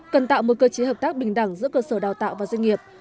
cần tạo một cơ chế hợp tác bình đẳng giữa cơ sở đào tạo và doanh nghiệp